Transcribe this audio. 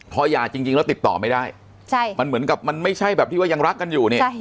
พอหย่าจริงแล้วติดต่อไม่ได้มันเหมือนกับมันไม่ใช่แบบที่ว่ายังรักกันอยู่เนี่ย